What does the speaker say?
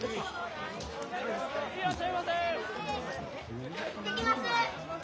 いらっしゃいませ！